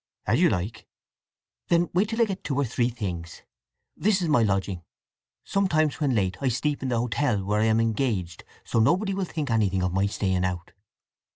"As you like." "Then wait till I get two or three things. This is my lodging. Sometimes when late I sleep at the hotel where I am engaged, so nobody will think anything of my staying out."